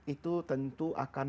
itu tentu akan